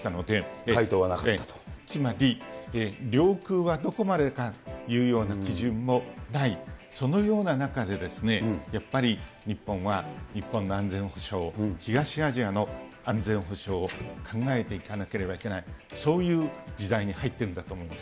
つまり、領空はどこまでかというような基準もない、そのような中で、やっぱり日本は、日本の安全保障、東アジアの安全保障を考えていかなければいけない、そういう時代に入ってるんだと思います。